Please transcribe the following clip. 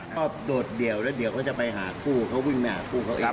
โดดเดี่ยวแล้วเดี๋ยวเขาจะไปหาคู่เขาวิ่งมาหาคู่เขาเอง